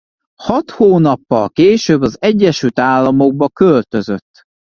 Hat hónappal később az Egyesült Államokba költözött.